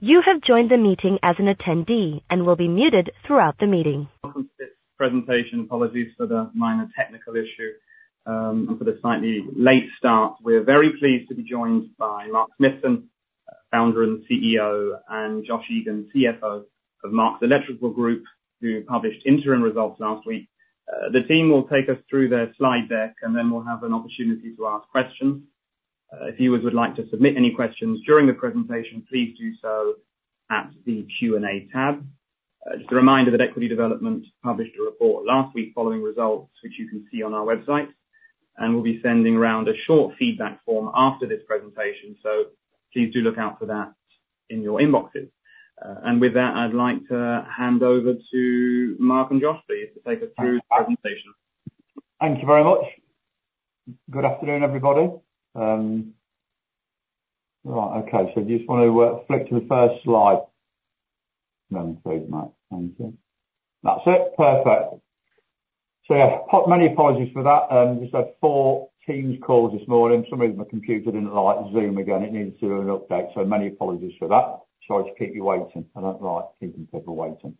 You have joined the meeting as an attendee and will be muted throughout the meeting. Welcome to this presentation. Apologies for the minor technical issue, and for the slightly late start. We're very pleased to be joined by Mark Smithson, Founder and CEO, and Josh Egan, CFO of Marks Electrical Group, who published interim results last week. The team will take us through their slide deck, and then we'll have an opportunity to ask questions. If you would like to submit any questions during the presentation, please do so at the Q&A tab. Just a reminder that Equity Development published a report last week following results, which you can see on our website, and we'll be sending around a short feedback form after this presentation, so please do look out for that in your inboxes. With that, I'd like to hand over to Mark and Josh, please, to take us through the presentation. Thank you very much. Good afternoon, everybody. Right. Okay, so do you just want to flip to the first slide? Let me see, Matt. Thank you. That's it. Perfect. So, yeah, many apologies for that. Just had four Teams calls this morning. For some reason, my computer didn't like Zoom again. It needed to do an update, so many apologies for that. Sorry to keep you waiting. I don't like keeping people waiting.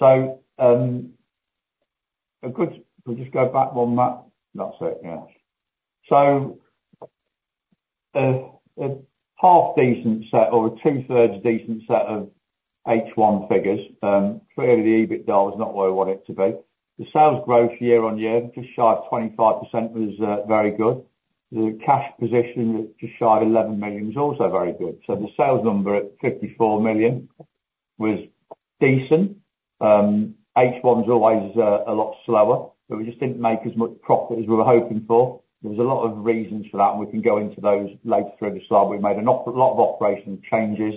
So, a good, if we just go back one, Matt. That's it, yes. So, a half decent set or a 2/3 decent set of H1 figures. Clearly, the EBITDA was not where we want it to be. The sales growth year-on-year, just shy of 25%, was very good. The cash position, just shy of £11 million, is also very good. So the sales number at 54 million was decent. H1's always a lot slower, but we just didn't make as much profit as we were hoping for. There was a lot of reasons for that, and we can go into those later through the slide. We made a lot of operational changes,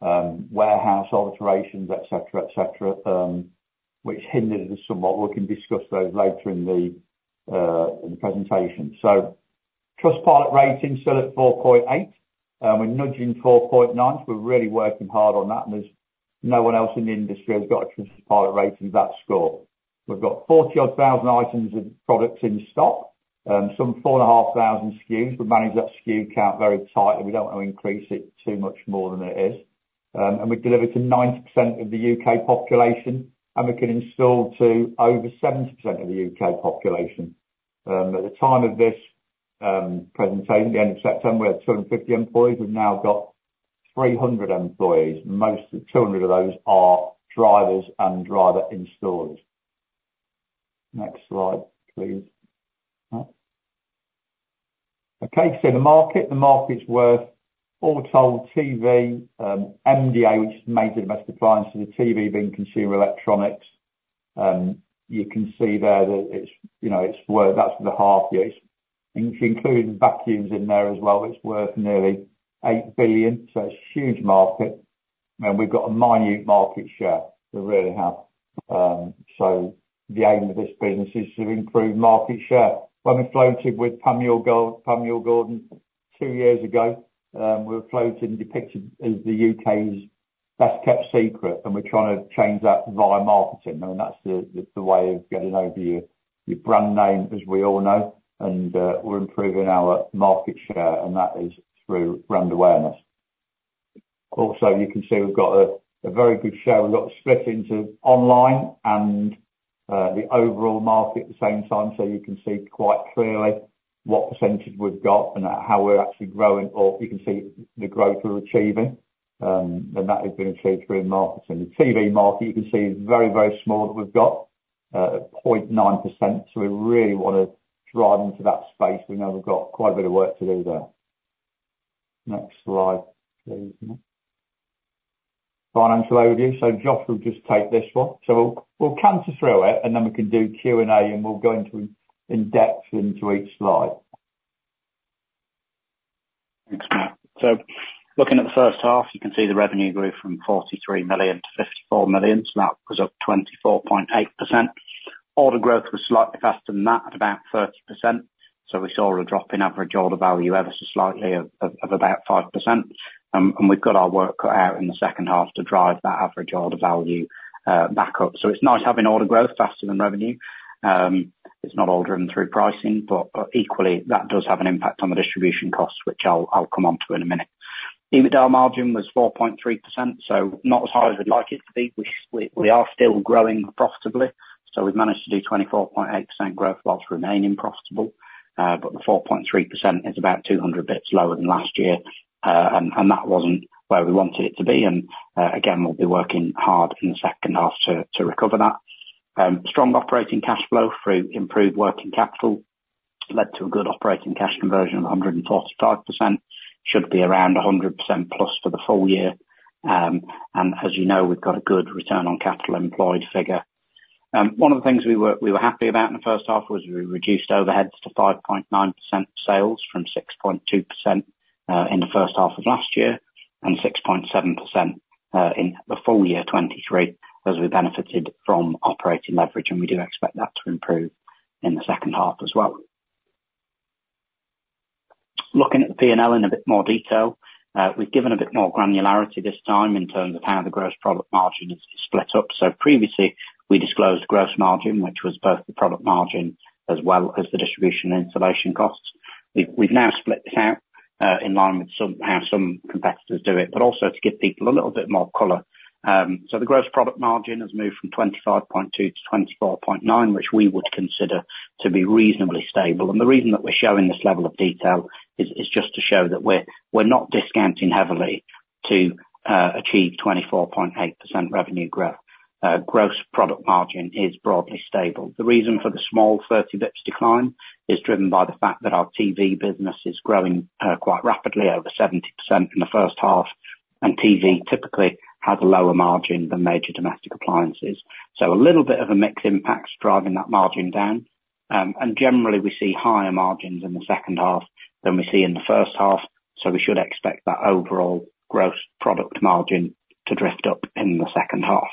warehouse alterations, etc, etc, which hindered us somewhat. We can discuss those later in the presentation. So Trustpilot rating, still at 4.8, we're nudging 4.9, so we're really working hard on that, and there's no one else in the industry who's got a Trustpilot rating of that score. We've got 40-odd thousand items of products in stock, some 4.5 thousand SKUs. We manage that SKU count very tightly. We don't want to increase it too much more than it is. And we deliver to 90% of the U.K. population, and we can install to over 70% of the U.K. population. At the time of this presentation, the end of September, we had 250 employees. We've now got 300 employees. Most of 200 of those are drivers and driver installers. Next slide, please, Matt. Okay, so the market. The market's worth, all told, TV, MDA, which is major domestic appliances, so TV, being consumer electronics. You can see there that it's, you know, it's worth. That's the half year. And if you include vacuums in there as well, it's worth nearly 8 billion, so it's a huge market, and we've got a minute market share. We really have. So the aim of this business is to improve market share. When we floated with Panmure Gordon two years ago, we were floated and depicted as the U.K's. best-kept secret, and we're trying to change that via marketing, and that's the way of getting over your brand name, as we all know, and we're improving our market share, and that is through brand awareness. Also, you can see we've got a very good share. We've got a split into online and the overall market at the same time, so you can see quite clearly what percentage we've got and how we're actually growing, or you can see the growth we're achieving, and that has been achieved through marketing. The TV market, you can see, is very, very small that we've got, 0.9%, so we really want to drive into that space. We know we've got quite a bit of work to do there. Next slide, please, Matt. Financial overview, so Josh will just take this one. So we'll canter through it, and then we can do Q&A, and we'll go into in-depth into each slide. Thanks, Matt. So looking at the first half, you can see the revenue grew from 43 million to 54 million. So that was up 24.8%. Order growth was slightly faster than that, at about 30%, so we saw a drop in average order value ever so slightly of about 5%. And we've got our work cut out in the second half to drive that average order value back up. So it's nice having order growth faster than revenue. It's not order in through pricing, but equally, that does have an impact on the distribution costs, which I'll come onto in a minute. EBITDA margin was 4.3%, so not as high as we'd like it to be. We are still growing profitably, so we've managed to do 24.8% growth while remaining profitable. But the 4.3% is about 200 basis points lower than last year, and that wasn't where we wanted it to be, and again, we'll be working hard in the second half to recover that. Strong operating cash flow through improved working capital led to a good operating cash conversion of 145%. Should be around 100% plus for the full year. And as you know, we've got a good return on capital employed figure. One of the things we were happy about in the first half was we reduced overheads to 5.9% sales from 6.2% in the first half of last year, and 6.7% in the full year 2023, as we benefited from operating leverage, and we do expect that to improve in the second half as well. Looking at the P&L in a bit more detail, we've given a bit more granularity this time, in terms of how the gross profit margin is split up. So previously, we disclosed gross margin, which was both the product margin as well as the distribution and installation costs. We've now split this out, in line with how some competitors do it, but also to give people a little bit more color. So the gross product margin has moved from 25.2 to 24.9, which we would consider to be reasonably stable. The reason that we're showing this level of detail is just to show that we're not discounting heavily to achieve 24.8% revenue growth. Gross product margin is broadly stable. The reason for the small 30 basis points decline is driven by the fact that our TV business is growing quite rapidly, over 70% in the first half, and TV typically has a lower margin than major domestic appliances. So a little bit of a mix impact's driving that margin down. And generally, we see higher margins in the second half than we see in the first half, so we should expect that overall gross product margin to drift up in the second half.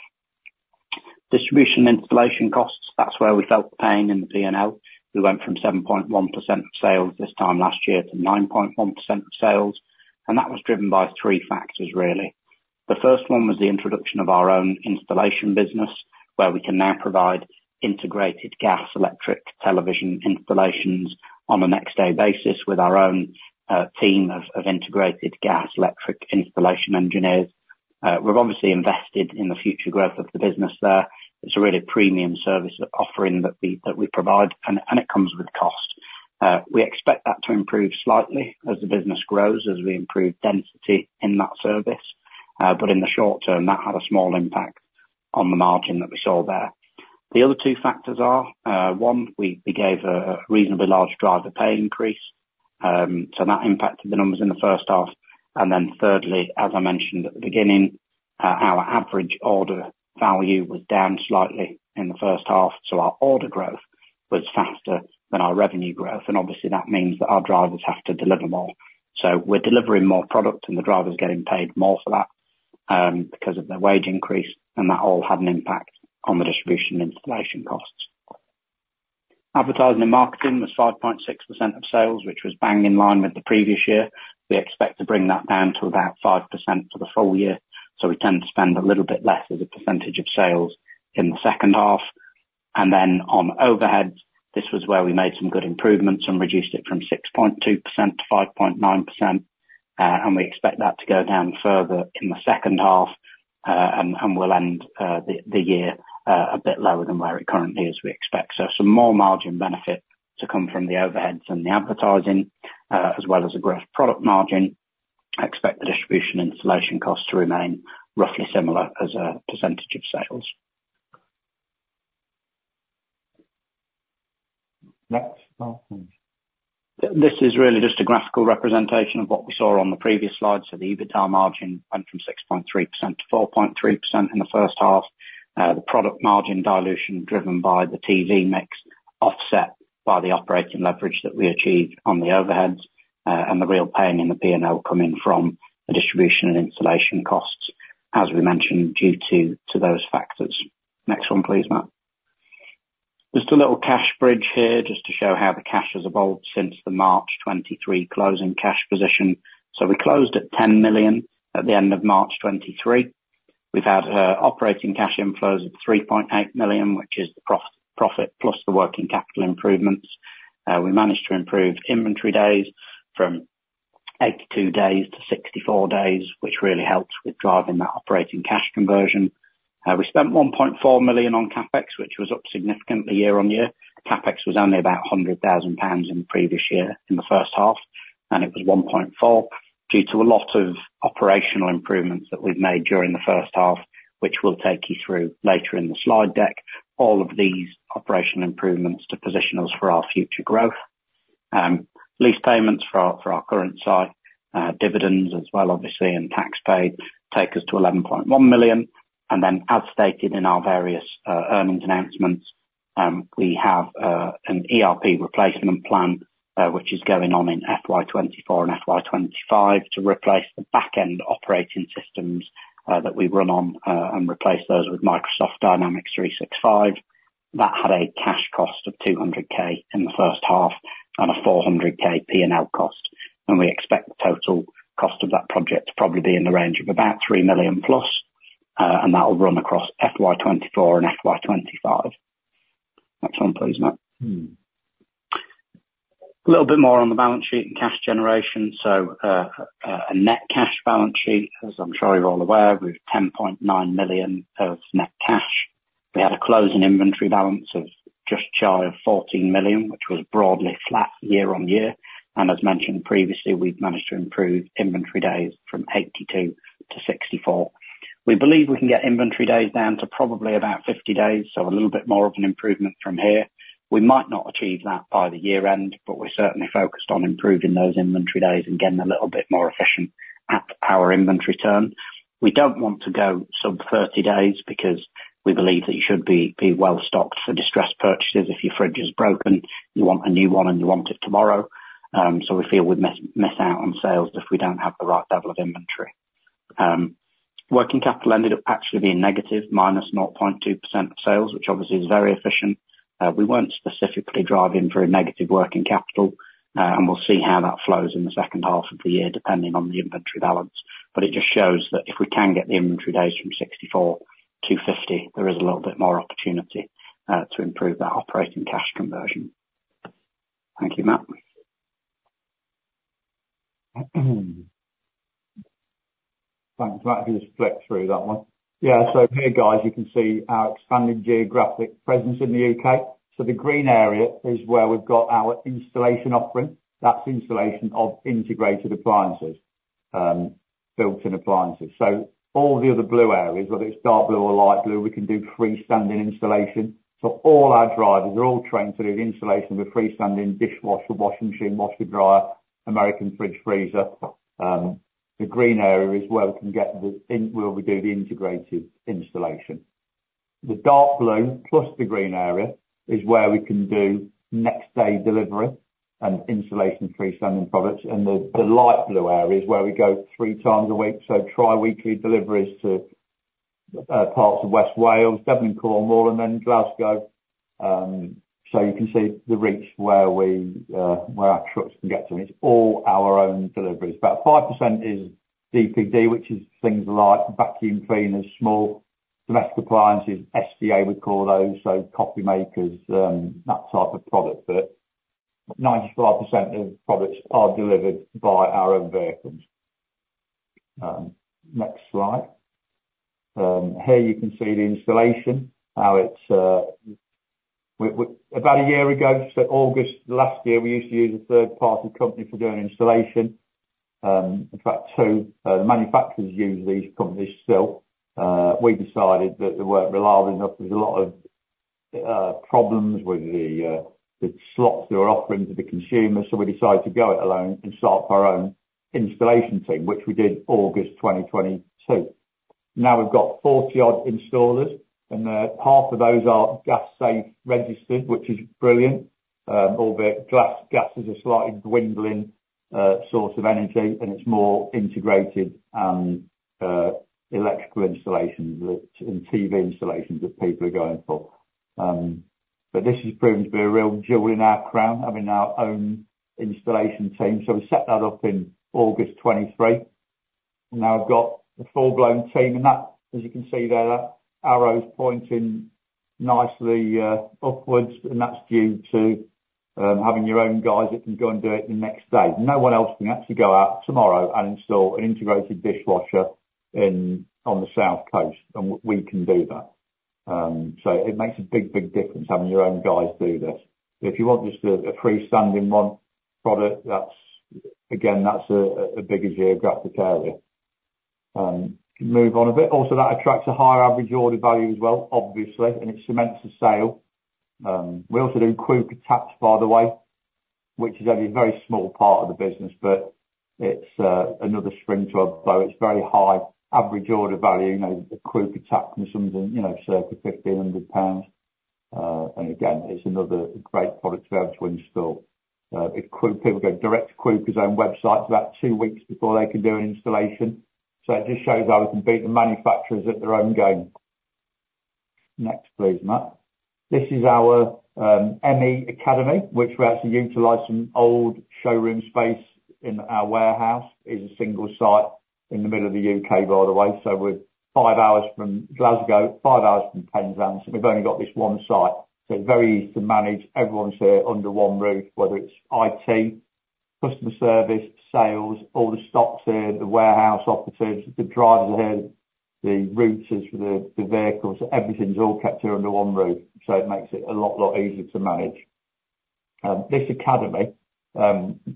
Distribution installation costs, that's where we felt the pain in the P&L. We went from 7.1% of sales this time last year, to 9.1% of sales, and that was driven by three factors, really. The first one was the introduction of our own installation business, where we can now provide integrated gas, electric, television installations on a next-day basis with our own team of integrated gas, electric installation engineers. We've obviously invested in the future growth of the business there. It's a really premium service offering that we provide, and it comes with cost. We expect that to improve slightly as the business grows, as we improve density in that service, but in the short term, that had a small impact on the margin that we saw there. The other two factors are, one, we gave a reasonably large driver pay increase, so that impacted the numbers in the first half. Then thirdly, as I mentioned at the beginning, our average order value was down slightly in the first half, so our order growth was faster than our revenue growth, and obviously that means that our drivers have to deliver more. So we're delivering more product, and the drivers are getting paid more for that, because of their wage increase, and that all had an impact on the distribution and installation costs. Advertising and marketing was 5.6% of sales, which was bang in line with the previous year. We expect to bring that down to about 5% for the full year, so we tend to spend a little bit less as a percentage of sales in the second half. And then on overheads, this was where we made some good improvements and reduced it from 6.2% to 5.9%. And we expect that to go down further in the second half, and we'll end the year a bit lower than where it currently is, we expect. So some more margin benefit to come from the overheads and the advertising, as well as the gross product margin. Expect the distribution installation costs to remain roughly similar as a percentage of sales. Next slide, please. This is really just a graphical representation of what we saw on the previous slide. So the EBITDA margin went from 6.3% to 4.3% in the first half. The product margin dilution driven by the TV mix, offset by the operating leverage that we achieved on the overheads, and the real pain in the PNL coming from the distribution and installation costs, as we mentioned, due to those factors. Next one please, Matt. Just a little cash bridge here, just to show how the cash has evolved since the March 2023 closing cash position. So we closed at 10 million at the end of March 2023. We've had operating cash inflows of 3.8 million, which is the profit, plus the working capital improvements. We managed to improve inventory days from 82 days to 64 days, which really helps with driving that operating cash conversion. We spent 1.4 million on CapEx, which was up significantly year-on-year. CapEx was only about 100,000 pounds in the previous year, in the first half, and it was 1.4, due to a lot of operational improvements that we've made during the first half, which we'll take you through later in the slide deck. All of these operational improvements to position us for our future growth. Lease payments for our current site, dividends as well, obviously, and tax paid, take us to 11.1 million. And then as stated in our various earnings announcements, we have an ERP replacement plan, which is going on in FY 2024 and FY 2025, to replace the back-end operating systems that we run on, and replace those with Microsoft Dynamics 365. That had a cash cost of 200,000 in the first half, and a 400,000 P&L cost. We expect the total cost of that project to probably be in the range of about 3 million+, and that will run across FY 2024 and FY 2025. Next one please, Matt. A little bit more on the balance sheet and cash generation. A net cash balance sheet, as I'm sure you're all aware, with 10.9 million of net cash. We had a closing inventory balance of just shy of 14 million, which was broadly flat year-on-year. As mentioned previously, we've managed to improve inventory days from 82-64. We believe we can get inventory days down to probably about 50 days, so a little bit more of an improvement from here. We might not achieve that by the year end, but we're certainly focused on improving those inventory days and getting a little bit more efficient at our inventory turn. We don't want to go sub 30 days, because we believe that you should be well stocked for distressed purchases. If your fridge is broken, you want a new one, and you want it tomorrow. So we feel we'd miss out on sales if we don't have the right level of inventory. Working capital ended up actually being negative, minus 0.2% of sales, which obviously is very efficient. We weren't specifically driving for a negative working capital, and we'll see how that flows in the second half of the year, depending on the inventory balance. But it just shows that if we can get the inventory days from 64- 250, there is a little bit more opportunity to improve that operating cash conversion. Thank you, Matt. Thanks, Matt. You just flick through that one. Yeah, so here, guys, you can see our expanding geographic presence in the U.K. So the green area is where we've got our installation offering. That's installation of integrated appliances, built-in appliances. So all the other blue areas, whether it's dark blue or light blue, we can do freestanding installation. So all our drivers are all trained to do the installation of a freestanding dishwasher, washing machine, washer dryer, American fridge freezer. The green area is where we do the integrated installation. The dark blue plus the green area is where we can do next day delivery and installation freestanding products, and the light blue area is where we go three times a week, so tri-weekly deliveries to parts of West Wales, Devon and Cornwall, and then Glasgow. So you can see the reach where our trucks can get to, and it's all our own deliveries. About 5% is DPD, which is things like vacuum cleaners, small domestic appliances, SDA, we call those, so coffee makers, that type of product. But 95% of products are delivered by our own vehicles. Next slide. Here you can see the installation, how it's about a year ago, so August last year, we used to use a third party company for doing installation. In fact, two. The manufacturers use these companies still. We decided that they weren't reliable enough. There was a lot of problems with the slots they were offering to the consumers, so we decided to go it alone and start up our own installation team, which we did August 2022. Now we've got 40-odd installers, and half of those are Gas Safe registered, which is brilliant. Albeit gas is a slightly dwindling source of energy, and it's more integrated and electrical installations and TV installations that people are going for. But this has proven to be a real jewel in our crown, having our own installation team. So we set that up in August 2023, and now we've got a full-blown team, and that, as you can see there, that arrow's pointing nicely upwards, and that's due to having your own guys that can go and do it the next day. No one else can actually go out tomorrow and install an integrated dishwasher in, on the South Coast, and we can do that. So it makes a big, big difference having your own guys do this. If you want just a freestanding one, product, that's, again, that's a bigger geographic area. Move on a bit. Also, that attracts a higher average order value as well, obviously, and it cements the sale. We also do Quooker taps, by the way, which is only a very small part of the business, but it's another string to our bow. It's very high average order value, you know, a Quooker tap and something, you know, circa 1,500 pounds. And again, it's another great product for us to install. If people go direct to Quooker's own website, about two weeks before they can do an installation. So it just shows how we can beat the manufacturers at their own game. Next, please, Matt. This is our ME Academy, which we're actually utilizing old showroom space in our warehouse. It's a single site in the middle of the U.K. by the way, so we're five hours from Glasgow, five hours from Penzance. So we've only got this one site, so it's very easy to manage. Everyone's here under one roof, whether it's IT, customer service, sales, all the stock's here, the warehouse operatives, the drivers are here, the routes for the vehicles. Everything's all kept here under one roof, so it makes it a lot, lot easier to manage. This academy,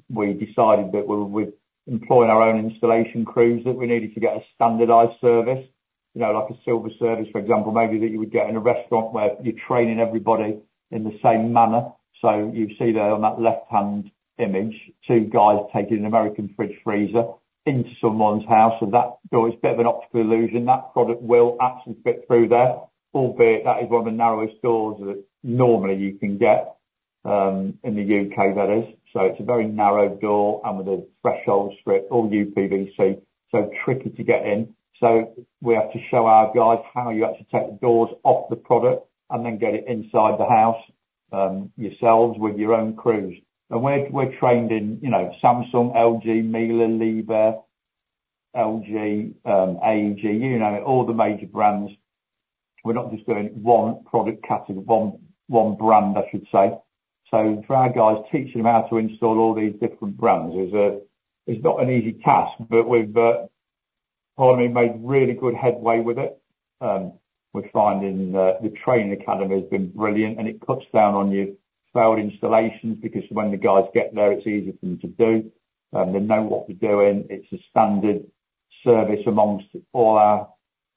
we decided that with employing our own installation crews, that we needed to get a standardized service, you know, like a silver service, for example, maybe that you would get in a restaurant, where you're training everybody in the same manner. So you see there on that left-hand image, two guys taking an American fridge freezer into someone's house. So that, though it's a bit of an optical illusion, that product will actually fit through there, albeit that is one of the narrowest doors that normally you can get in the U.K. that is. So it's a very narrow door and with a threshold strip, all UPVC, so tricky to get in. So we have to show our guys how you have to take the doors off the product, and then get it inside the house, yourselves, with your own crews. And we're, we're trained in, you know, Samsung, LG, Miele, Liebherr, LG, AEG, you know, all the major brands. We're not just doing one product category, one, one brand, I should say. So for our guys, teaching them how to install all these different brands is, is not an easy task, but we've, finally made really good headway with it. We're finding that the training academy has been brilliant, and it cuts down on your failed installations, because when the guys get there, it's easier for them to do, they know what we're doing. It's a standard service amongst all our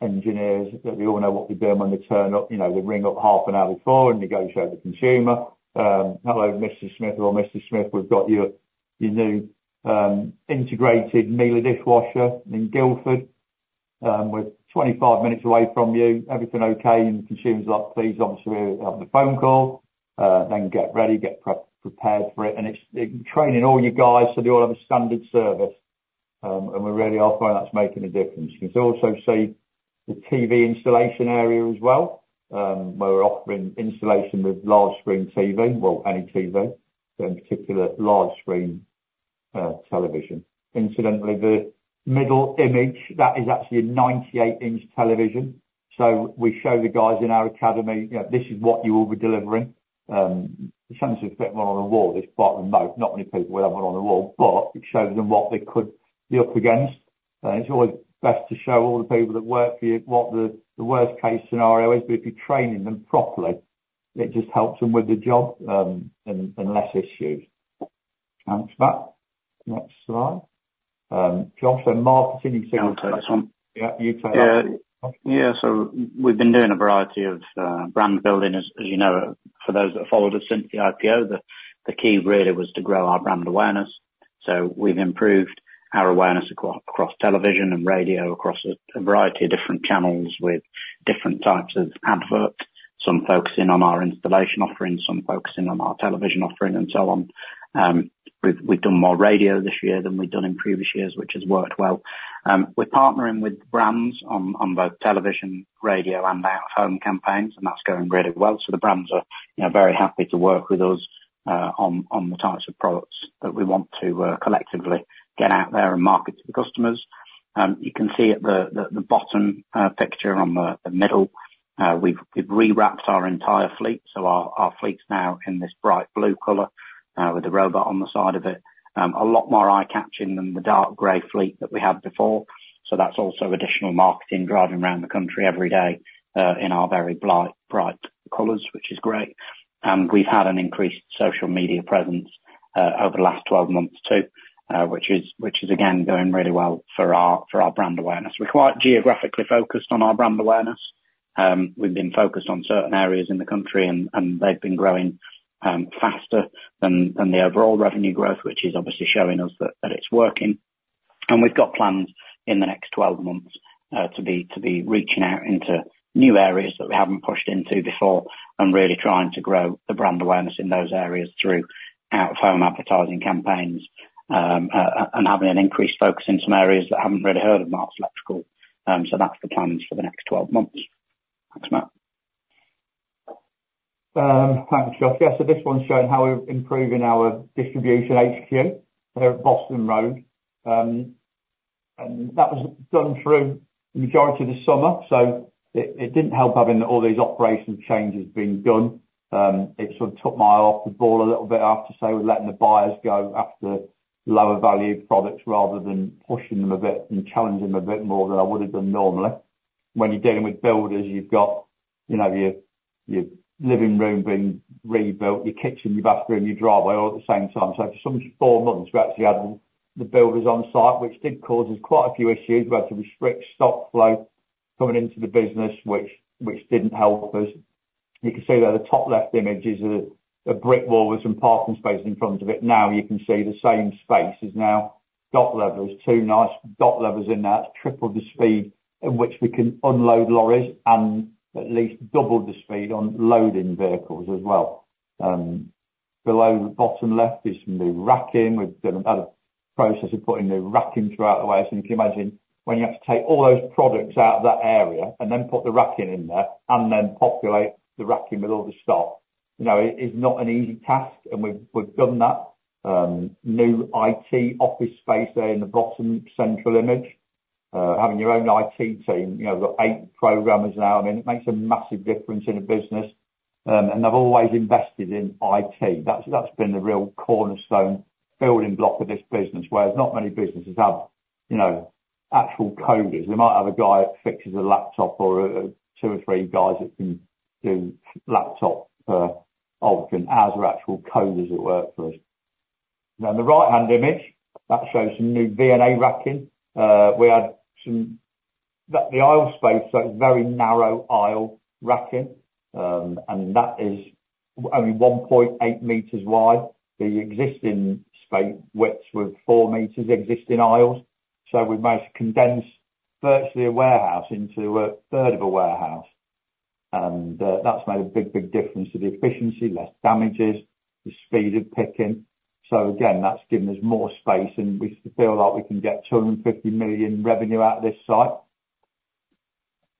engineers, that we all know what we're doing when we turn up. You know, we ring up half an hour before and negotiate with the consumer. "Hello, Mrs. Smith or Mr. Smith, we've got your, your new, integrated Miele dishwasher in Guildford. We're 25 minutes away from you. Everything okay?" And the consumer's like, "Please," obviously we have the phone call, then get ready, get prepared for it. And it's training all you guys, so they all have a standard service. And we really are finding that's making a difference. You can also see the TV installation area as well, where we're offering installation with large screen TV, well, any TV, but in particular large screen television. Incidentally, the middle image, that is actually a 98-inch television. So we show the guys in our academy, you know, "This is what you will be delivering." Since we've put one on the wall, they've bought the most. Not many people will have one on the wall, but it shows them what they could be up against, and it's always best to show all the people that work for you, what the worst case scenario is. But if you're training them properly, it just helps them with the job, and less issues. Thanks, Matt. Next slide. Josh and Mark, have you seen this one? Yeah, you take that. Yeah. Yeah, so we've been doing a variety of brand building, as you know, for those that have followed us since the IPO, the key really was to grow our brand awareness. So we've improved our awareness across television and radio, across a variety of different channels, with different types of adverts. Some focusing on our installation offerings, some focusing on our television offering, and so on. We've done more radio this year than we've done in previous years, which has worked well. We're partnering with brands on both television, radio, and out-of-home campaigns, and that's going really well. So the brands are, you know, very happy to work with us on the types of products that we want to collectively get out there and market to the customers. You can see at the bottom picture on the middle, we've rewrapped our entire fleet. So our fleet's now in this bright blue color with the robot on the side of it. A lot more eye-catching than the dark gray fleet that we had before, so that's also additional marketing, driving around the country every day in our very bright colors, which is great. And we've had an increased social media presence over the last 12 months, too, which is again going really well for our brand awareness. We're quite geographically focused on our brand awareness. We've been focused on certain areas in the country, and they've been growing faster than the overall revenue growth, which is obviously showing us that it's working. And we've got plans in the next 12 months to be reaching out into new areas that we haven't pushed into before, and really trying to grow the brand awareness in those areas through out-of-home advertising campaigns. And having an increased focus in some areas that haven't really heard of Marks Electrical. So that's the plans for the next 12 months. Thanks, Matt. Thanks, Josh. Yeah, so this one's showing how we're improving our distribution HQ here at Boston Road. And that was done through the majority of the summer, so it didn't help having all these operational changes being done. It sort of took my eye off the ball a little bit, I have to say, with letting the buyers go after lower-value products, rather than pushing them a bit and challenging them a bit more than I would have done normally. When you're dealing with builders, you've got, you know, your living room being rebuilt, your kitchen, your bathroom, your driveway, all at the same time. So for some four months, we actually had the builders on site, which did cause us quite a few issues. We had to restrict stock flow coming into the business, which didn't help us. You can see there, the top left image is a brick wall with some parking spaces in front of it. Now you can see the same space is now dock levers, two nice dock levers in that, tripled the speed at which we can unload lorries, and at least doubled the speed on loading vehicles as well. Below, the bottom left is some new racking. We've done another process of putting new racking throughout the warehouse. And you can imagine when you have to take all those products out of that area, and then put the racking in there, and then populate the racking with all the stock, you know, it is not an easy task, and we've done that. New IT office space there in the bottom central image. Having your own IT team, you know, we've got eight programmers now, and it makes a massive difference in the business. And I've always invested in IT. That's, that's been the real cornerstone building block of this business. Whereas not many businesses have, you know, actual coders. They might have a guy that fixes a laptop or, or two or three guys that can do laptop, oven. Ours are actual coders that work for us. Now, the right-hand image, that shows some new VNA racking. The aisle space, so it's very narrow aisle racking, and that is only 1.8 meters wide. The existing space widths were four meters, existing aisles, so we've managed to condense virtually a warehouse into a third of a warehouse. That's made a big, big difference to the efficiency, less damages, the speed of picking. So again, that's given us more space, and we feel like we can get 250 million revenue out of this site.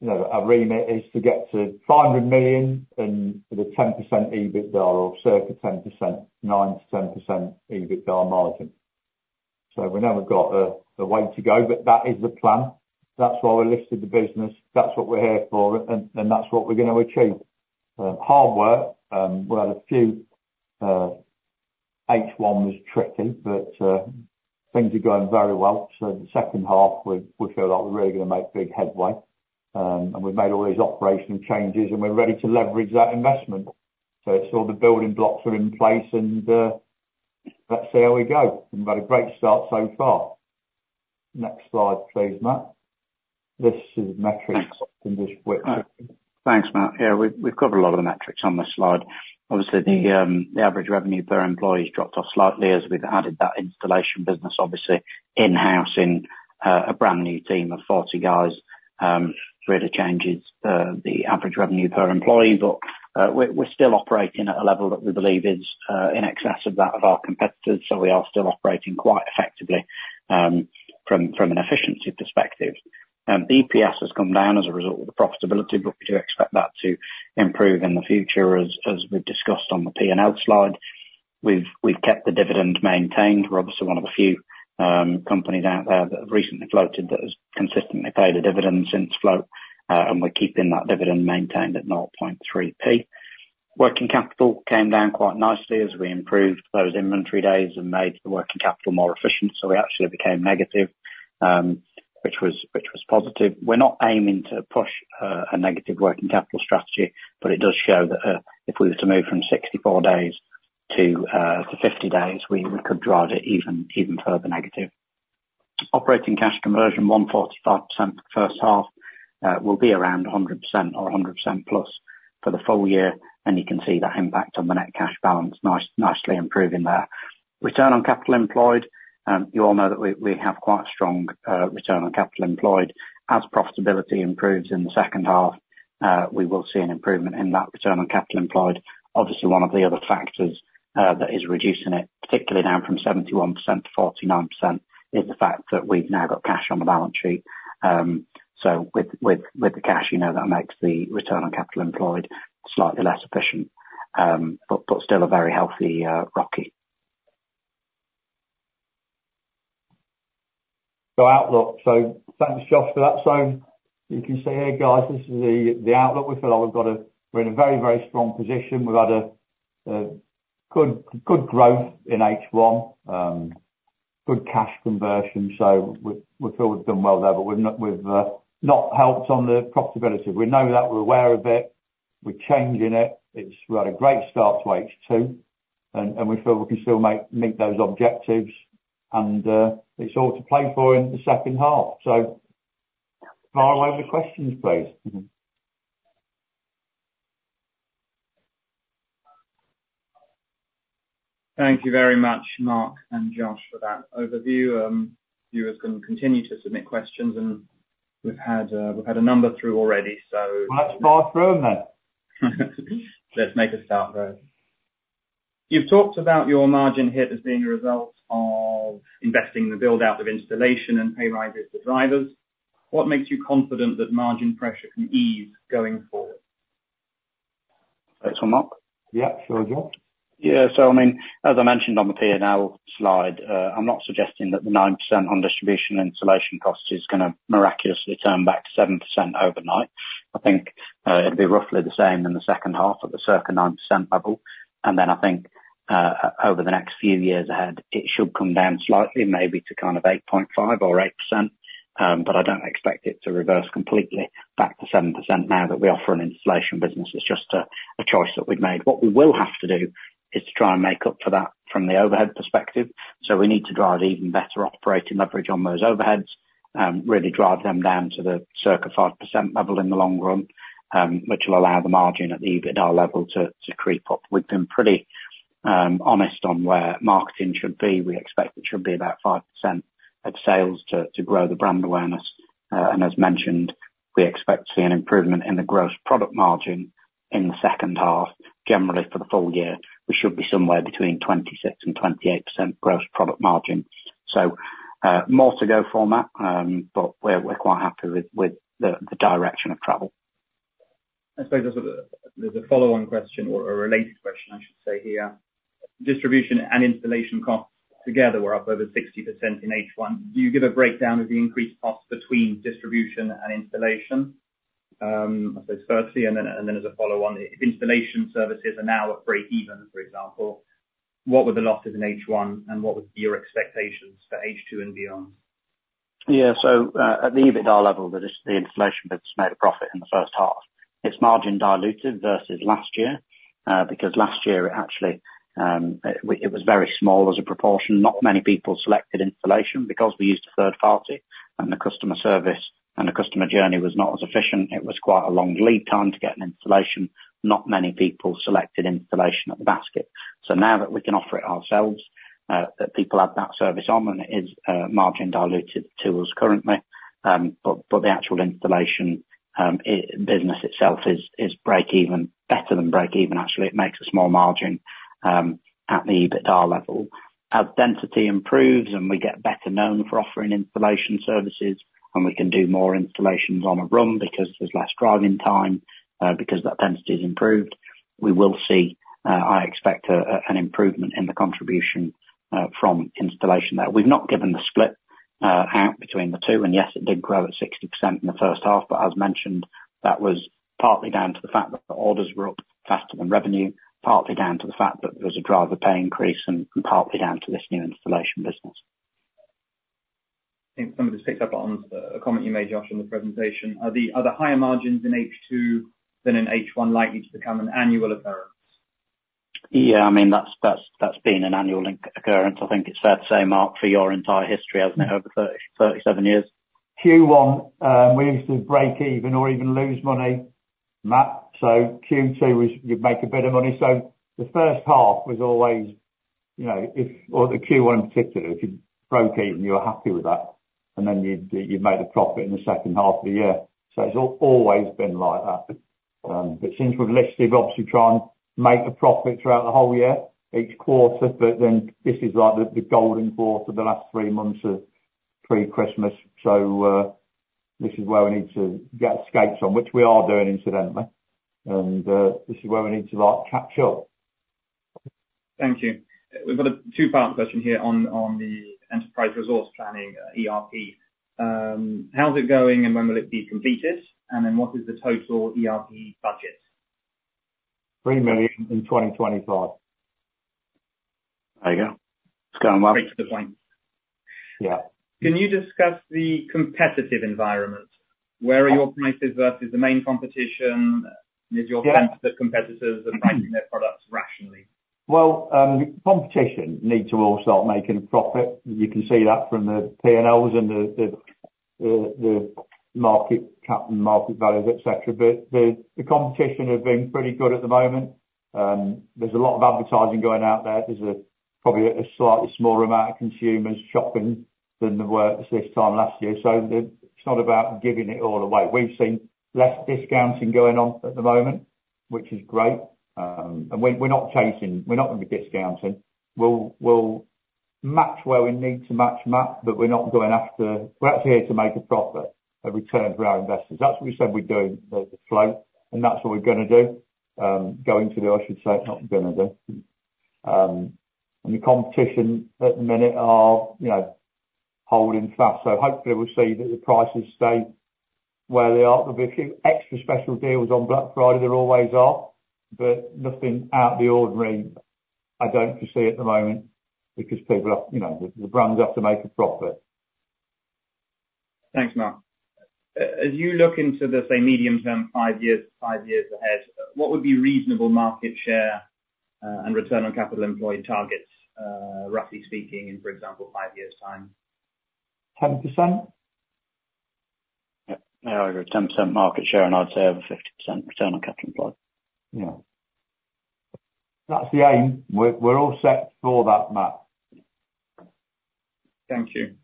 You know, our remit is to get to 500 million, and with a 10% EBITDA or circa 10%, 9%-10% EBITDA margin. So we know we've got a way to go, but that is the plan. That's why we listed the business, that's what we're here for, and that's what we're gonna achieve. Hard work, we've had a few. H1 was tricky, but things are going very well. So the second half, we feel like we're really gonna make big headway. And we've made all these operational changes, and we're ready to leverage that investment. So it's all the building blocks are in place, and let's see how we go. We've had a great start so far. Next slide, please, Matt. This is metrics in which- Thanks, Matt. Yeah, we've covered a lot of the metrics on this slide. Obviously, the average revenue per employee has dropped off slightly as we've added that installation business, obviously, in-housing a brand-new team of 40 guys, really changes the average revenue per employee. But, we're still operating at a level that we believe is in excess of that of our competitors, so we are still operating quite effectively from an efficiency perspective. EPS has come down as a result of the profitability, but we do expect that to improve in the future, as we've discussed on the P&L slide. We've kept the dividend maintained. We're obviously one of the few, companies out there that have recently floated, that has consistently paid a dividend since float, and we're keeping that dividend maintained at 0.3p. Working capital came down quite nicely as we improved those inventory days and made the working capital more efficient, so we actually became negative, which was, which was positive. We're not aiming to push, a negative working capital strategy, but it does show that, if we were to move from 64 days to, to 50 days, we, we could drive it even, even further negative. Operating cash conversion, 145% for the first half, will be around 100% or 100%+ for the full year, and you can see that impact on the net cash balance, nicely improving there. Return on capital employed, you all know that we have quite a strong return on capital employed. As profitability improves in the second half, we will see an improvement in that return on capital employed. Obviously, one of the other factors that is reducing it, particularly down from 71% to 49%, is the fact that we've now got cash on the balance sheet. So with the cash, you know, that makes the return on capital employed slightly less efficient, but still a very healthy ROCE. So outlook. So thanks, Josh, for that. So you can see here, guys, this is the outlook. We feel like we've got we're in a very, very strong position. We've had a good growth in H1, good cash conversion, so we feel we've done well there, but we've not helped on the profitability. We know that, we're aware of it, we're changing it. It's. We've had a great start to H2, and we feel we can still meet those objectives, and it's all to play for in the second half. So fire away with the questions, please.. Thank you very much, Mark and Josh, for that overview. Viewers can continue to submit questions, and we've had a number through already, so- That's fast moving, then! Let's make a start then. You've talked about your margin hit as being a result of investing in the build-out of installation and pay rises to drivers. What makes you confident that margin pressure can ease going forward? That's for Mark? Yeah, sure, Josh. Yeah. So I mean, as I mentioned on the P&L slide, I'm not suggesting that the 9% on distribution installation cost is gonna miraculously turn back to 7% overnight. I think, it'll be roughly the same in the second half, at the circa 9% level. And then I think, over the next few years ahead, it should come down slightly, maybe to kind of 8.5% or 8%. But I don't expect it to reverse completely back to 7%, now that we offer an installation business. It's just a choice that we've made. What we will have to do is to try and make up for that from the overhead perspective. So we need to drive even better operating leverage on those overheads, really drive them down to the circa 5% level in the long run, which will allow the margin at the EBITDA level to creep up. We've been pretty honest on where marketing should be. We expect it should be about 5% of sales to grow the brand awareness. And as mentioned, we expect to see an improvement in the gross product margin in the second half. Generally, for the full year, we should be somewhere between 26%-28% gross product margin. So, more to go for, Matt, but we're quite happy with the direction of travel. I suppose there's a, there's a follow-on question or a related question, I should say, here. Distribution and installation costs together were up over 60% in H1. Do you give a breakdown of the increased costs between distribution and installation? I suppose firstly, and then, and then as a follow-on, if installation services are now at breakeven, for example, what were the losses in H1, and what would be your expectations for H2 and beyond? Yeah. So, at the EBITDA level, the installation business made a profit in the first half. It's margin diluted versus last year, because last year, it actually, it was very small as a proportion. Not many people selected installation because we used a third party, and the customer service and the customer journey was not as efficient. It was quite a long lead time to get an installation. Not many people selected installation at the basket. So now that we can offer it ourselves, that people add that service on, and it is margin diluted to us currently. But the actual installation business itself is breakeven. Better than breakeven, actually. It makes a small margin at the EBITDA level. As density improves and we get better known for offering installation services, and we can do more installations on a run, because there's less driving time, because that density's improved, we will see, I expect, an improvement in the contribution from installation there. We've not given the split out between the two, and yes, it did grow at 60% in the first half, but as mentioned, that was partly down to the fact that the orders were up faster than revenue, partly down to the fact that there was a driver pay increase, and partly down to this new installation business. I think some of this picks up on a comment you made, Josh, in the presentation. Are the higher margins in H2 than in H1 likely to become an annual occurrence? Yeah. I mean, that's been an annual occurrence. I think it's fair to say, Mark, for your entire history, hasn't it, over 37 years? Q1, we used to break even or even lose money, Matt. So Q2 was, you'd make a bit of money. So the first half was always, you know, if or the Q1 in particular, if you broke even, you were happy with that, and then you'd make the profit in the second half of the year. So it's always been like that, but since we've listed, obviously try and make a profit throughout the whole year, each quarter, but then this is like the, the golden quarter, the last three months of pre-Christmas. So, this is where we need to get skates on, which we are doing, incidentally. And, this is where we need to, like, catch up. Thank you. We've got a two-part question here on, on the enterprise resource planning, ERP. How's it going, and when will it be completed? And then, what is the total ERP budget? 3 million in 2025. There you go. It's going well. Straight to the point. Yeah. Can you discuss the competitive environment? Where are your prices versus the main competition? Yeah. Is your sense that competitors are pricing their products rationally? Well, competition need to all start making a profit. You can see that from the P&Ls and the market cap and market values, et cetera. But the competition has been pretty good at the moment. There's a lot of advertising going out there. There's probably a slightly smaller amount of consumers shopping than there were this time last year, so it's not about giving it all away. We've seen less discounting going on at the moment, which is great. And we're not chasing. We're not into discounting. We'll match where we need to match, Matt, but we're not going after. We're out here to make a profit, a return for our investors. That's what we said we'd do at the float, and that's what we're gonna do, going to do, I should say, not we're gonna do. And the competition at the minute are, you know, holding fast. So hopefully we'll see that the prices stay where they are. There'll be a few extra special deals on Black Friday, there always are, but nothing out of the ordinary I don't foresee at the moment, because people have, you know, the brands have to make a profit. Thanks, Mark. As you look into the, say, medium term, five years, five years ahead, what would be reasonable market share and return on capital employed targets, roughly speaking, in, for example, five years' time? 10%? Yeah, I agree. 10% market share, and I'd say over 50% return on capital employed. Yeah. That's the aim. We're all set for that, Matt. Thank you.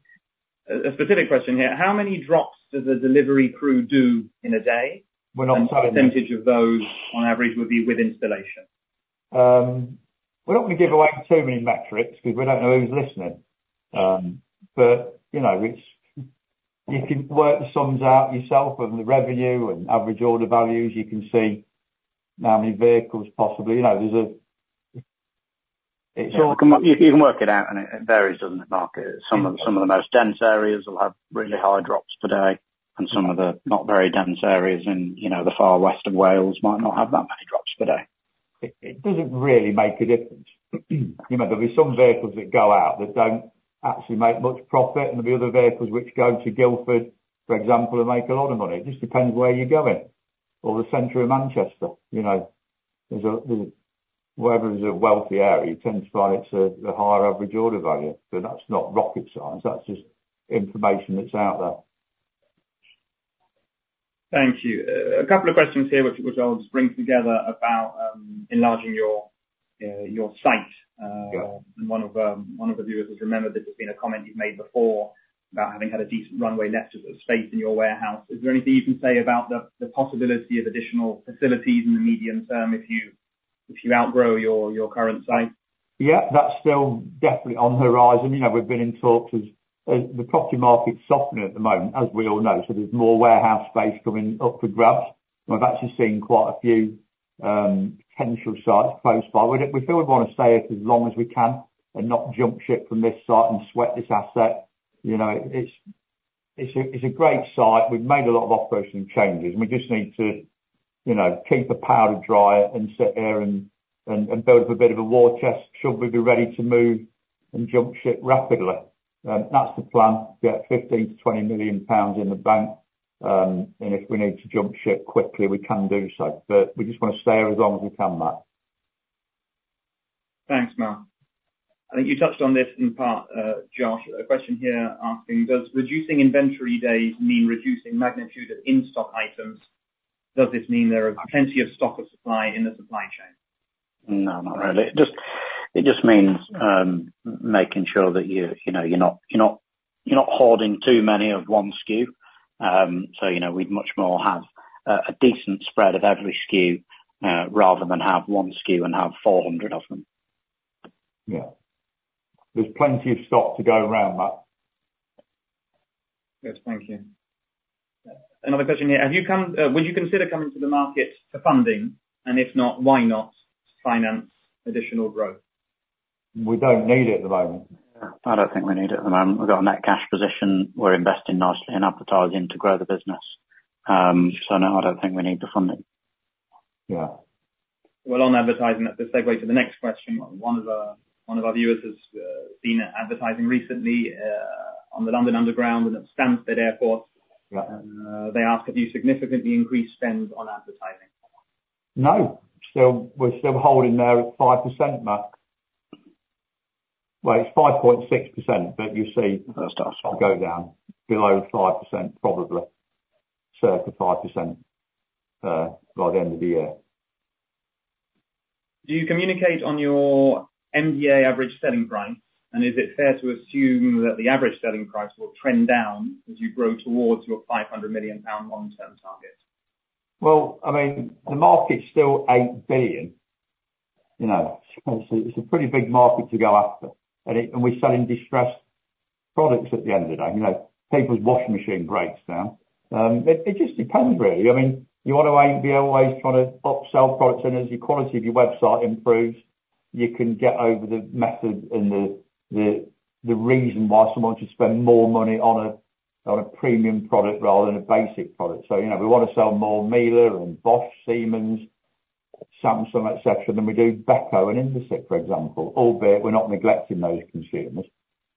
A specific question here: How many drops does the delivery crew do in a day? We're not- What percentage of those, on average, would be with installation? We don't want to give away too many metrics, because we don't know who's listening. But, you know, it's, you can work the sums out yourself, and the revenue, and average order values. You can see how many vehicles, possibly. You know, there's a, it's all- You can work it out, and it varies, doesn't it, Mark? Some of the most dense areas will have really high drops per day, and some of the not very dense areas in, you know, the far west of Wales might not have that many drops per day. It doesn't really make a difference. You know, there'll be some vehicles that go out that don't actually make much profit, and there'll be other vehicles which go to Guildford, for example, and make a lot of money. It just depends where you're going, or the center of Manchester, you know? There's, wherever there's a wealthy area, you tend to find it's a higher average order value, but that's not rocket science. That's just information that's out there. Thank you. A couple of questions here, which I'll just bring together, about enlarging your site. Yeah. One of the viewers has remembered that there's been a comment you've made before about having had a decent runway left of space in your warehouse. Is there anything you can say about the possibility of additional facilities in the medium term, if you outgrow your current site? Yeah, that's still definitely on the horizon. You know, we've been in talks as, the property market's softening at the moment, as we all know, so there's more warehouse space coming up for grabs. We've actually seen quite a few potential sites close by. We'd, we still would want to stay as long as we can and not jump ship from this site, and sweat this asset. You know, it's, it's a, it's a great site. We've made a lot of operational changes, and we just need to, you know, keep the powder dry and sit here and build up a bit of a war chest, should we be ready to move and jump ship rapidly. That's the plan, get 15 million-20 million pounds in the bank, and if we need to jump ship quickly, we can do so. We just want to stay here as long as we can, Matt. Thanks, Mark. I think you touched on this, in part, Josh. A question here asking: Does reducing inventory days mean reducing magnitude of in-stock items? Does this mean there are plenty of stock or supply in the supply chain? No, not really. It just means making sure that you know you're not holding too many of one SKU. So, you know, we'd much more have a decent spread of every SKU rather than have one SKU and have 400 of them. Yeah. There's plenty of stock to go around, Matt. Yes. Thank you. Another question here: Would you consider coming to the market for funding? And if not, why not finance additional growth? We don't need it at the moment. I don't think we need it at the moment. We've got a net cash position. We're investing nicely in advertising to grow the business. So, no, I don't think we need the funding. Yeah. Well, on advertising, that's a segue to the next question. One of our viewers has seen advertising recently on the London Underground and at Stansted Airport. Right. They ask, "Have you significantly increased spend on advertising? No. Still, we're still holding there at 5%, Matt. Well, it's 5.6%, but you'll see- It's gonna- go down below 5%, probably. Certainly 5%, by the end of the year. Do you communicate on your MDA average selling price? And is it fair to assume that the average selling price will trend down as you grow towards your 500 million pound long-term target? Well, I mean, the market's still 8 billion, you know? So it's a pretty big market to go after, and we're selling distressed products at the end of the day. You know, people's washing machine breaks down. It just depends, really. I mean, you want to always be always trying to upsell products, and as the quality of your website improves, you can get over the method and the reason why someone should spend more money on a premium product rather than a basic product. So, you know, we want to sell more Miele and Bosch, Siemens, Samsung, et cetera, than we do Beko and Indesit, for example. Albeit, we're not neglecting those consumers.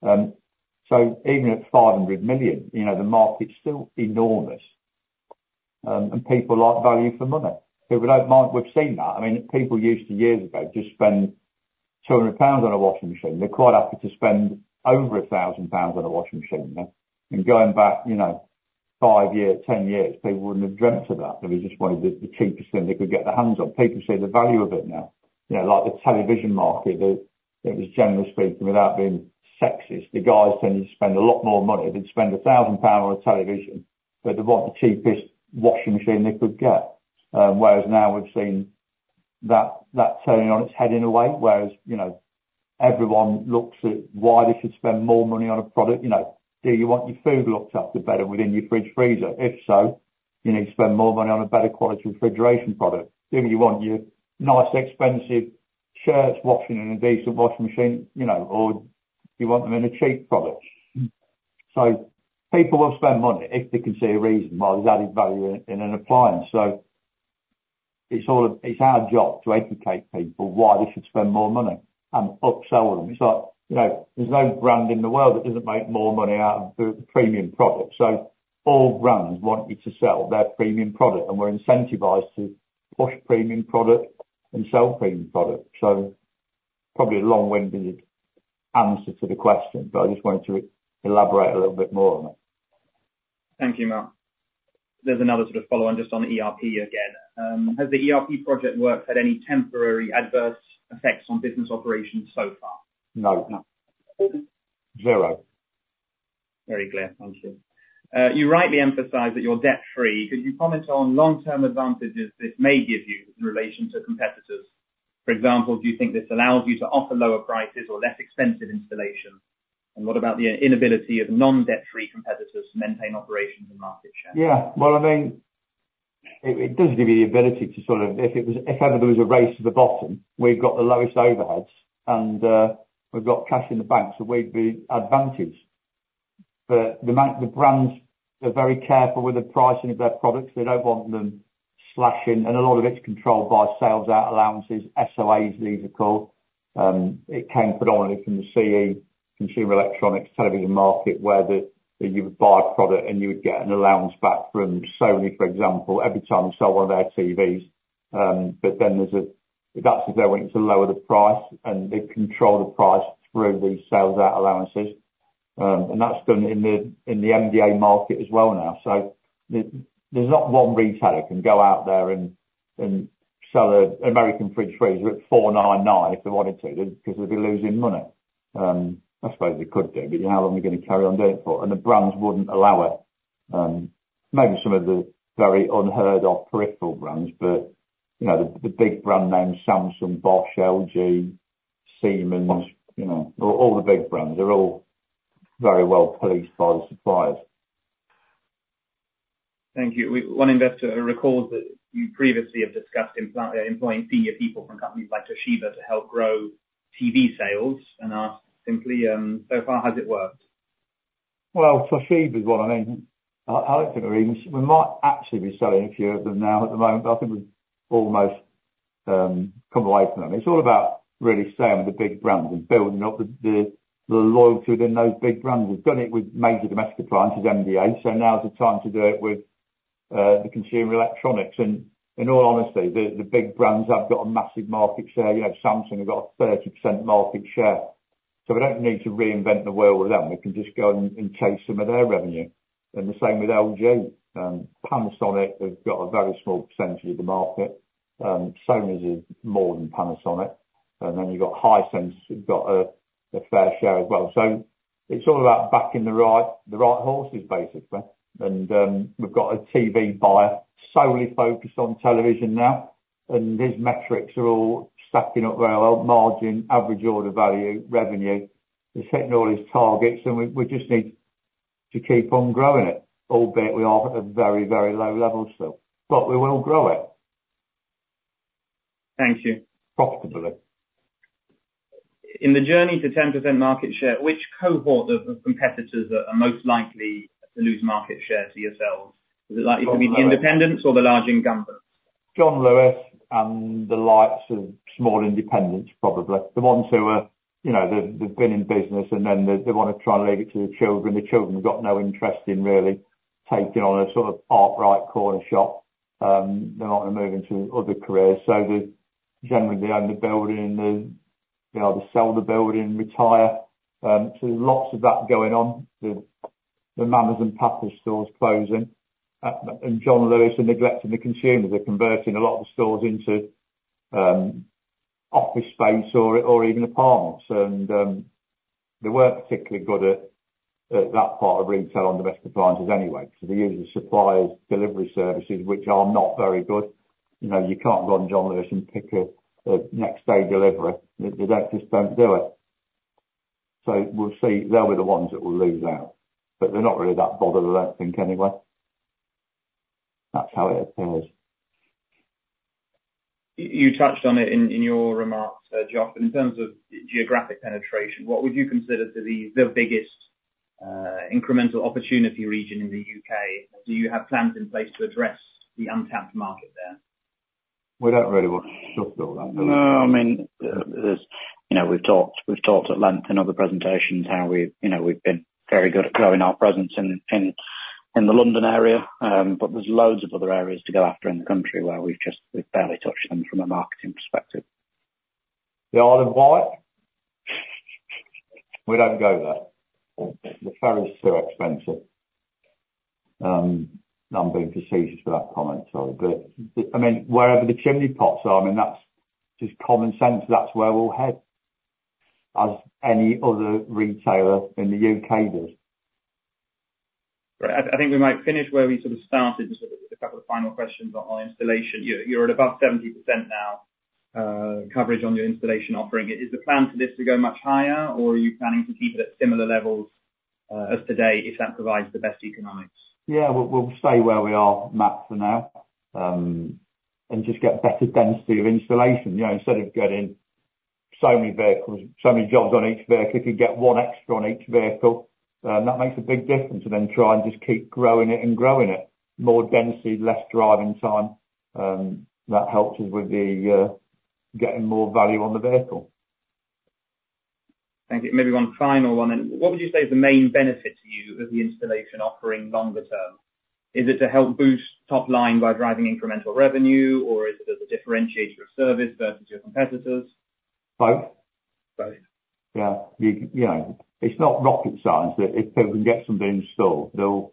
So even at 500 million, you know, the market's still enormous. And people like value for money. People don't mind. We've seen that. I mean, people used to, years ago, just spend 200 pounds on a washing machine. They're quite happy to spend over 1,000 pounds on a washing machine now. And going back, you know, 5 years, 10 years, people wouldn't have dreamt of that. They just wanted the, the cheapest thing they could get their hands on. People see the value of it now. You know, like the television market, it, it was, generally speaking, without being sexist, the guys tended to spend a lot more money. They'd spend 1,000 pound on a television, but they want the cheapest washing machine they could get. Whereas now we've seen that, that turning on its head in a way, whereas, you know, everyone looks at why they should spend more money on a product. You know, do you want your food looked after better within your fridge, freezer? If so, you need to spend more money on a better quality refrigeration product. Do you want your nice, expensive shirts washed in an Indesitt washing machine? You know, or do you want them in a cheap product? So people will spend money if they can see a reason why there's added value in an appliance. So it's all, It's our job to educate people why they should spend more money and upsell them. It's like, you know, there's no brand in the world that doesn't make more money out of the premium product. So all brands want you to sell their premium product, and we're incentivized to push premium product and sell premium product. So probably a long-winded answer to the question, but I just wanted to elaborate a little bit more on it. Thank you, Mark. There's another sort of follow-on just on ERP again. Has the ERP project work had any temporary adverse effects on business operations so far? No. No. zero. Very clear, thank you. You rightly emphasize that you're debt-free. Could you comment on long-term advantages this may give you in relation to competitors? For example, do you think this allows you to offer lower prices or less expensive installation? And what about the inability of non-debt-free competitors to maintain operations and market share? Yeah. Well, I mean, it, it does give you the ability to sort of, if it was, if ever there was a race to the bottom, we've got the lowest overheads and, we've got cash in the bank, so we'd be advantaged. But the brands, they're very careful with the pricing of their products. They don't want them slashing, and a lot of it's controlled by sales out allowances, SOAs these are called. It came predominantly from the CE, consumer electronics, television market, where you would buy a product and you would get an allowance back from Sony, for example, every time you sell one of their TVs. But then that's if they're wanting to lower the price, and they control the price through these sales out allowances. And that's done in the, in the MDA market as well now. So, there's not one retailer can go out there and sell an American fridge freezer at 499 if they wanted to, because they'd be losing money. I suppose they could do, but how long are they gonna carry on doing it for? And the brands wouldn't allow it. Maybe some of the very unheard of peripheral brands, but, you know, the big brand names, Samsung, Bosch, LG, Siemens, you know, all the big brands, they're all very well-policed by the suppliers. Thank you. One investor recalls that you previously have discussed employing senior people from companies like Toshiba to help grow TV sales, and asked simply, "So far, has it worked? Well, Toshiba is one. I mean, I think we might actually be selling a few of them now at the moment, but I think we've almost come away from them. It's all about really selling the big brands and building up the loyalty in those big brands. We've done it with major domestic appliances, MDA, so now is the time to do it with the consumer electronics. And, in all honesty, the big brands have got a massive market share. You know, Samsung have got a 30% market share, so we don't need to reinvent the wheel with them. We can just go and take some of their revenue, and the same with LG. Panasonic has got a very small percentage of the market. Sony's is more than Panasonic, and then you've got Hisense, who's got a fair share as well. So it's all about backing the right horses, basically. And we've got a TV buyer solely focused on television now, and his metrics are all stacking up well, margin, average order value, revenue. He's hitting all his targets, and we just need to keep on growing it, albeit we are at a very, very low level still, but we will grow it. Thank you. Profitably. In the journey to 10% market share, which cohort of competitors are most likely to lose market share to yourselves? Is it likely to be the independents or the large incumbents? John Lewis and the likes of small independents, probably. The ones who are, you know, they've been in business, and then they wanna try and leave it to their children. The children have got no interest in really taking on a sort of upright corner shop. They want to move into other careers, so generally, they own the building and you know, they sell the building, retire. So lots of that going on. The Mamas & Papas stores closing, and John Lewis are neglecting the consumers. They're converting a lot of the stores into office space or even apartments. And they weren't particularly good at that part of retail on domestic appliances anyway. So they're using suppliers delivery services, which are not very good. You know, you can't go on John Lewis and pick a next day delivery. They just don't do it. So we'll see. They'll be the ones that will lose out, but they're not really that bothered about that thing anyway. That's how it appears. You touched on it in your remarks, Josh, but in terms of geographic penetration, what would you consider to be the biggest incremental opportunity region in the U.K.? Do you have plans in place to address the untapped market there? We don't really want to talk about that. No, I mean, there's. You know, we've talked, we've talked at length in other presentations, how we've, you know, we've been very good at growing our presence in, in, in the London area. But there's loads of other areas to go after in the country, where we've just, we've barely touched them from a marketing perspective. The Isle of Wight? We don't go there. The ferry is too expensive. I'm being facetious with that comment, sorry. But, I mean, wherever the chimney pots are, I mean, that's just common sense. That's where we'll head, as any other retailer in the U.K. does. Right. I think we might finish where we sort of started, just with a couple of final questions on installation. You're at above 70% now, coverage on your installation offering. Is the plan for this to go much higher, or are you planning to keep it at similar levels, as today, if that provides the best economics? Yeah, we'll, we'll stay where we are, Matt, for now, and just get better density of installation. You know, instead of getting so many vehicles, so many jobs on each vehicle, if you get one extra on each vehicle, that makes a big difference. And then try and just keep growing it and growing it. More density, less driving time, that helps us with the, getting more value on the vehicle. Thank you. Maybe one final one then. What would you say is the main benefit to you, of the installation offering longer term? Is it to help boost top line by driving incremental revenue? Or is it as a differentiator of service versus your competitors? Both. Both. Yeah, you know, it's not rocket science, that if people can get something installed, they'll,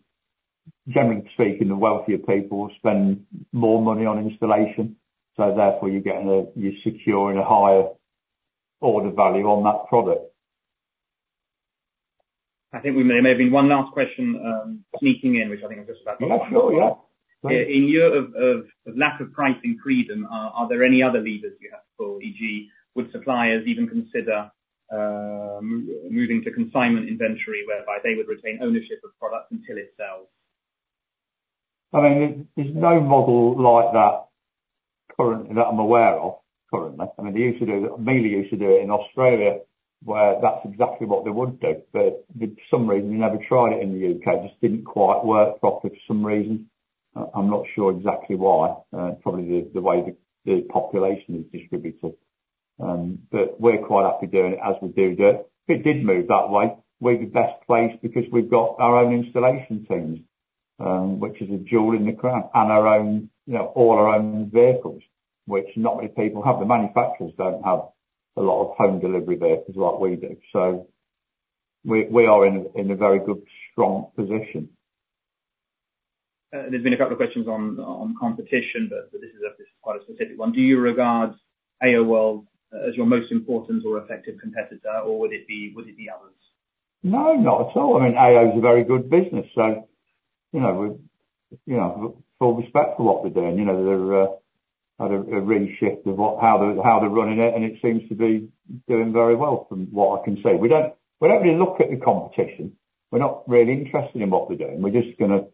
Generally speaking, the wealthier people will spend more money on installation, so therefore, you're getting a, you're securing a higher order value on that product. I think we may, maybe one last question, sneaking in, which I think is just about- Yeah, sure. Yeah. In view of your lack of pricing freedom, are there any other levers you have for, e.g., would suppliers even consider moving to consignment inventory, whereby they would retain ownership of product until it sells? I mean, there's no model like that currently, that I'm aware of, currently. I mean, they used to do it, Miele used to do it in Australia, where that's exactly what they would do, but for some reason, they never tried it in the U.K. Just didn't quite work properly for some reason. I'm not sure exactly why. Probably the way the population is distributed. But we're quite happy doing it as we do do it. If it did move that way, we're the best placed, because we've got our own installation teams, which is a jewel in the crown. And our own, you know, all our own vehicles, which not many people have. The manufacturers don't have a lot of home delivery vehicles like we do. So we are in a very good, strong position. There's been a couple of questions on competition, but this is quite a specific one: Do you regard AO World as your most important or effective competitor, or would it be others? No, not at all. I mean, AO is a very good business, so, you know, we, you know, full respect for what they're doing. You know, they've had a real shift in how they're running it, and it seems to be doing very well, from what I can see. We don't really look at the competition. We're not really interested in what they're doing. We're just gonna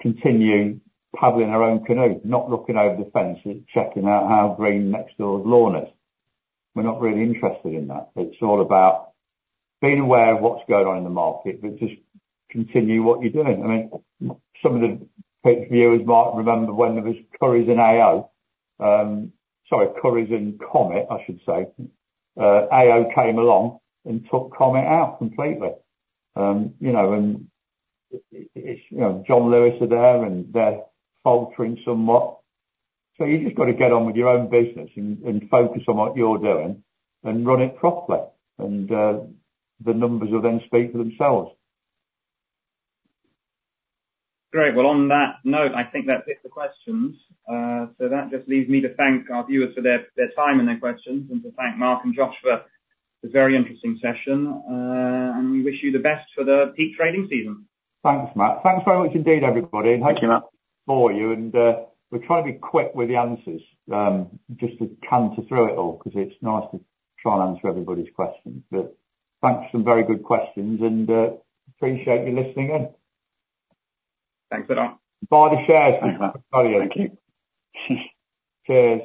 continue paddling our own canoe, not looking over the fence and checking out how green next door's lawn is. We're not really interested in that. It's all about being aware of what's going on in the market, but just continue what you're doing. I mean, some of the viewers might remember when there was Currys and AO, sorry, Currys and Comet, I should say. AO came along and took Comet out completely. You know, John Lewis are there, and they're faltering somewhat. So you just got to get on with your own business and focus on what you're doing, and run it properly, and the numbers will then speak for themselves. Great! Well, on that note, I think that's it for questions. So that just leaves me to thank our viewers for their, their time and their questions, and to thank Mark and Josh for a very interesting session. And we wish you the best for the peak trading season. Thanks, Matt. Thanks very much indeed, everybody. Thank you, Matt. For you, and we try to be quick with the answers, just to canter through it all, because it's nice to try and answer everybody's questions. But thanks for some very good questions and appreciate you listening in. Thanks a lot. Buy the shares! Thanks, Matt. Thank you. Cheers.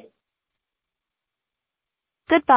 Good bye.